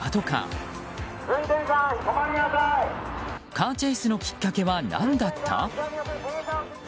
カーチェイスのきっかけは何だった？